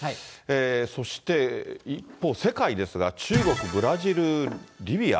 そして、一方世界ですが、中国、ブラジル、リビア？